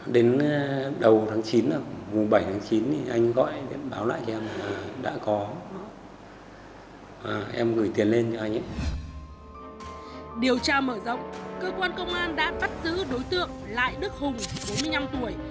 điều tra mở rộng cơ quan công an đã bắt giữ đối tượng lại đức hùng bốn mươi năm tuổi